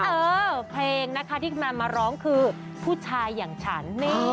เออเพลงนะคะที่คุณแม่มาร้องคือผู้ชายอย่างฉัน